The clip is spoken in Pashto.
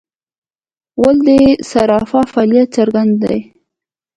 غول د صفرا فعالیت څرګندوي.